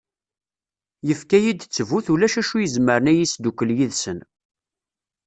Yefka-yi-d ttbut ulac acu izemren ad iyi-isdukel yid-sen.